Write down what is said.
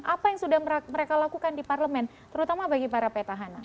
apa yang sudah mereka lakukan di parlemen terutama bagi para petahana